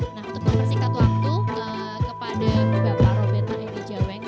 nah untuk mempersikat waktu kepada bapak robert a dijaweng